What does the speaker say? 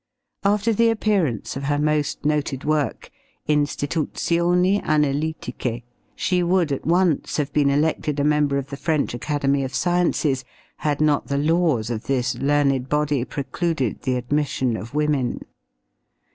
After the appearance of her most noted work, Instituzioni Analytiche, she would at once have been elected a member of the French Academy of Sciences had not the laws of this learned body precluded the admission of women.